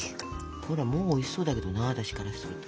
ほらもうおいしそうだけどな私からすると。